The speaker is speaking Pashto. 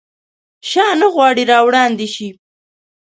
شاه نه غواړي راوړاندي شي.